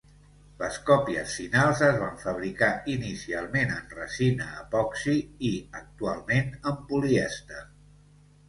Les còpies finals es van fabricar inicialment en resina epoxi i, actualment, en polièster.